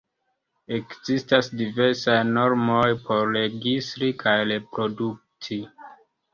Ekzistas diversaj normoj por registri kaj reprodukti.